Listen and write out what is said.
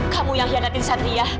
kamu yang hianatin sateria